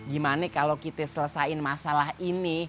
gimana kalau kita selesaikan masalah ini